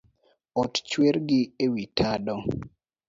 Ot chwer gi ewi tado